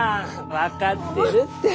分かってるって。